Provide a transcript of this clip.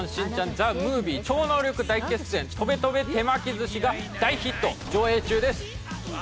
ＴＨＥＭＯＶＩＥ超能力大決戦とべとべ手巻き寿司』が大ヒット上映中です。